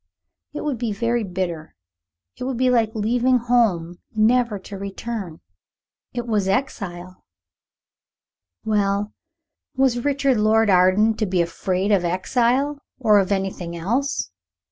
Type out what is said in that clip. It would be very bitter it would be like leaving home never to return. It was exile. Well, was Richard Lord Arden to be afraid of exile or of anything else?